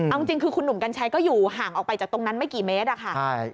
เอาจริงคือคุณหนุ่มกัญชัยก็อยู่ห่างออกไปจากตรงนั้นไม่กี่เมตรอะค่ะ